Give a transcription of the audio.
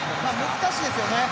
難しいですよね。